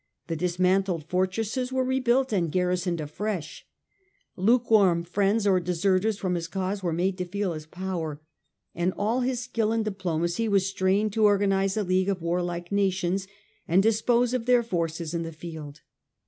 The dismantled fortresses were rebuilt and garrisoned afresh ; lukewarm friends or deserters from his cause were made to feel his power, and all his skill in diplomacy was strained to organise a league ol But the warlike nations, and dispose of their forces noriLf field.